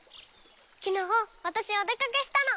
きのうわたしお出かけしたの。